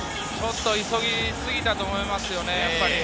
ちょっと急ぎすぎたと思いますよね。